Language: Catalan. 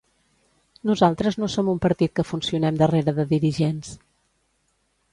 Nosaltres no som un partit que funcionem darrere de dirigents.